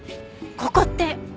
ここって。